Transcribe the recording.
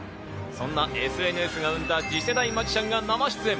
そんなＳＮＳが生んだ次世代マジシャンが生出演。